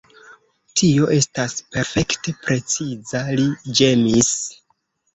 Tio estas perfekte preciza, li ĝemis.